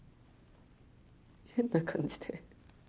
変な感じで。